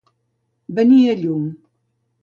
Venir a llum.